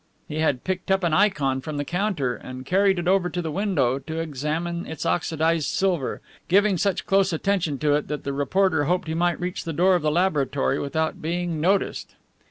He had picked up an ikon from the counter and carried it over to the window to examine its oxidized silver, giving such close attention to it that the reporter hoped he might reach the door of the laboratory without being noticed.